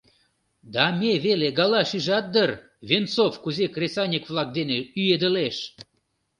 Да ме веле галаШижат дыр, Венцов кузе кресаньык-влак дене ӱедылеш!